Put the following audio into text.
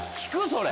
それ。